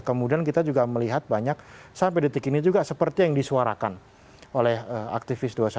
kemudian kita juga melihat banyak sampai detik ini juga seperti yang disuarakan oleh aktivis dua ratus dua belas